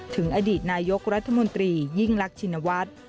ถึงอดีตนายกรัฐมนตรียิ่งรักชินวัฒน์